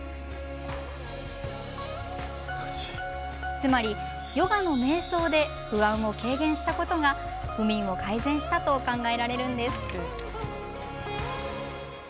つまり、ヨガのめい想で不安を軽減したことが不眠を改善したと考えられるんです。